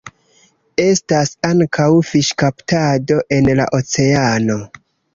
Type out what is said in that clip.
Estas ankaŭ fiŝkaptado en la oceano.